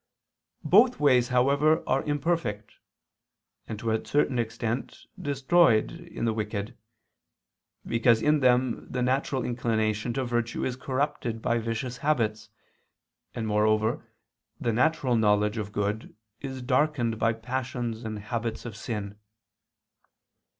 Both ways, however, are imperfect, and to a certain extent destroyed, in the wicked; because in them the natural inclination to virtue is corrupted by vicious habits, and, moreover, the natural knowledge of good is darkened by passions and habits of sin.